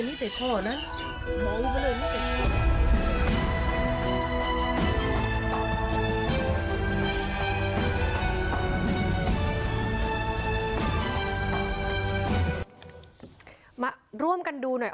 วิทยาลัยศาสตร์อัศวินตรี